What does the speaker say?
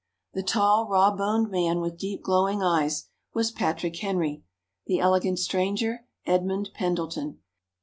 The tall raw boned man with deep glowing eyes, was Patrick Henry; the elegant stranger, Edmund Pendleton.